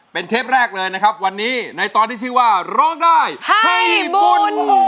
เป็นเทปแรกเลยนะครับวันนี้ในตอนที่ชื่อว่าร้องได้ให้บุญ